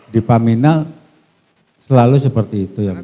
di pamina selalu seperti itu yang mulia